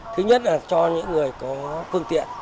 thứ nhất là cho những người có phương tiện